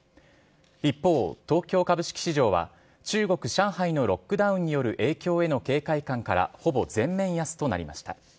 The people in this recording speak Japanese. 一方、東京株式市場は、中国・上海のロックダウンによる影響への警戒感からほぼ全面安となりました。